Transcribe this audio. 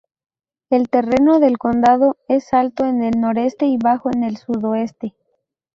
El terreno del condado es alto en el noreste y bajo en el sudoeste.